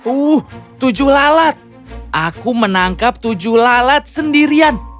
uh tujuh lalat aku menangkap tujuh lalat sendirian